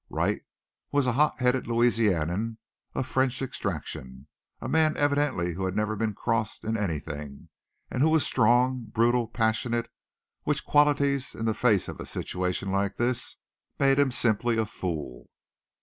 Wright was a hot headed Louisianian of French extraction; a man evidently who had never been crossed in anything, and who was strong, brutal, passionate, which qualities, in the face of a situation like this, made him simply a fool!